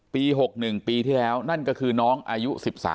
ปี๖๑ปีที่แล้วนั่นก็คือน้องอายุ๑๓